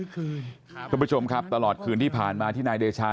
คุณผู้ชมครับตลอดคืนที่ผ่านมาที่นายเดชา